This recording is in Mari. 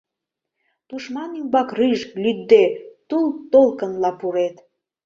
Тушман ӱмбак рӱж, лӱдде, тул толкынла пурет.